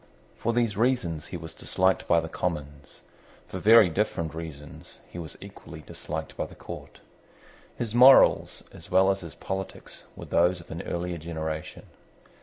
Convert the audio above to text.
For these reasons he was disliked by the Commons. For very different reasons he was equally disliked by the Court. His morals as well as his polities were those of an earlier generation.